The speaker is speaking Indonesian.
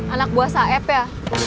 anak buah saeb ya